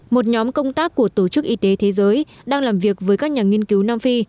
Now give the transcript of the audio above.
một nhóm công tác của tổ chức y tế thế giới đang làm việc với các nhà nghiên cứu nam phi